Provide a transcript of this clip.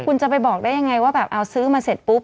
คุณจะไปบอกได้ยังไงว่าแบบเอาซื้อมาเสร็จปุ๊บ